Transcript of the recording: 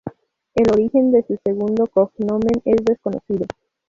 El origen de su segundo "cognomen" es desconocido.